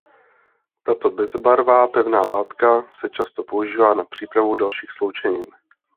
Tato bezbarvá pevná látka se často používá na přípravu dalších sloučenin.